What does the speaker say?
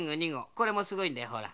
これもすごいんだよほら。